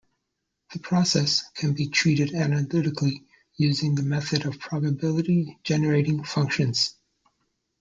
The process can be treated analytically using the method of probability generating functions.